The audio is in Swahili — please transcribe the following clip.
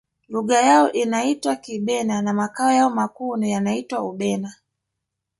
lugha yao inaitwa kibena na makao yao makuu yanaitwa ubena